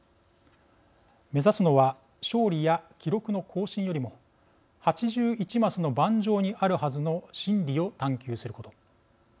目指すのは勝利や記録の更新よりも８１マスの盤上にあるはずの真理を探究すること。